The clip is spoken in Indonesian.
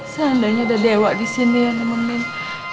seandainya ada dewa disini yang nemenin